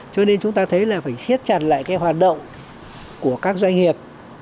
cho nên chúng ta thấy là phải siết chặt lại cái hoạt động của các doanh nghiệp